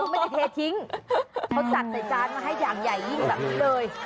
ไม่ได้เททิ้งเขาจัดใส่จานมาให้อย่างใหญ่ยิ่งแบบนี้เลย